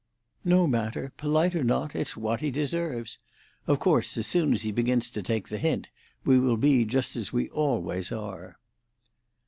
"No matter, polite or not, it's what he deserves. Of course, as soon as he begins to take the hint, we will be just as we always are."